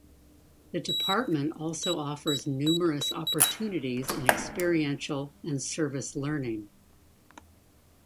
The department also offers numerous opportunities in experiential and service learning.